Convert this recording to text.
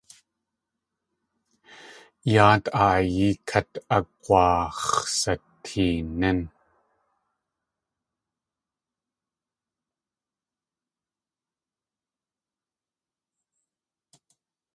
Yáat aayí kát ag̲waax̲sateenín.